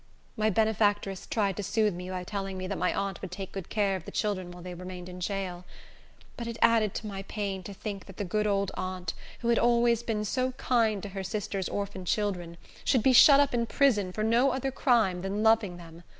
My benefactress tried to soothe me by telling me that my aunt would take good care of the children while they remained in jail. But it added to my pain to think that the good old aunt, who had always been so kind to her sister's orphan children, should be shut up in prison for no other crime than loving them.